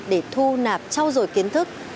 để thu nạp trau dồi kiến thức